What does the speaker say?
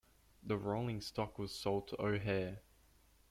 The rolling stock was sold to O'Hare.